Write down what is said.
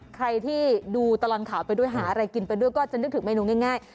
ใครที่ดูตลอดข่าวไปด้วยหาอะไรกินไปด้วยก็จะนึกถึงเมนูง่าย